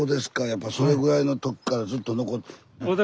やっぱそれぐらいの時からずっと残ってる。